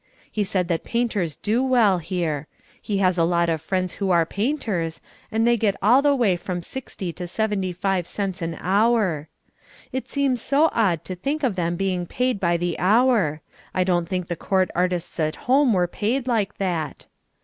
He said that painters do well here: he has a lot of friends who are painters and they get all the way from sixty to seventy five cents an hour. It seems so odd to think of them being paid by the hour. I don't think the court artists at home were paid like that.